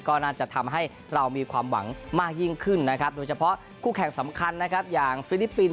ก็น่าจะทำให้เรามีความหวังมากยิ่งขึ้นนะครับโดยเฉพาะคู่แข่งสำคัญนะครับอย่างฟิลิปปินส